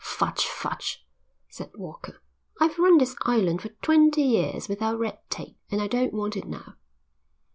"Fudge, fudge," said Walker. "I've run this island for twenty years without red tape, and I don't want it now."